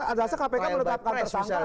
rasanya kpk meletakkan tersangka